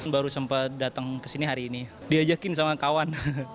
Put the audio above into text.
baru sempat datang ke sini hari ini diajakin sama kawan